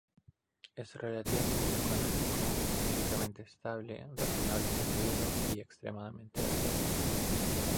Es relativamente económico, químicamente estable, razonablemente duro, y extremadamente versátil.